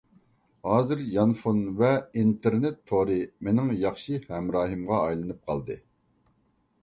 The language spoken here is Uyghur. ھازىر يانفون ۋە ئىنتېرنېت تورى مېنىڭ ياخشى ھەمراھىمغا ئايلىنىپ قالدى.